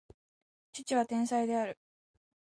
父は天才である